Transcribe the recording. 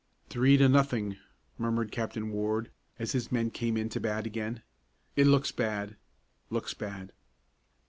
"Three to nothing," murmured Captain Ward as his men came in to bat again. "It looks bad looks bad."